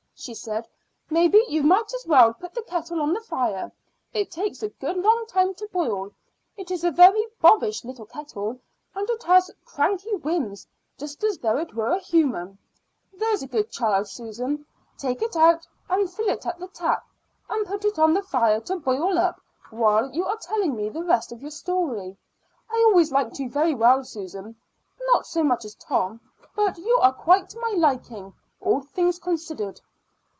she said. "Maybe you might as well put the kettle on the fire; it takes a good long time to boil. It's a very bobbish little kettle, and it has cranky whims just as though it were a human. There's a good child, Susan; take it out and fill it at the tap, and put it on the fire to boil up while you are telling me the rest of the story. I always liked you very well, Susan; not so much as Tom, but you are quite to my liking, all things considered."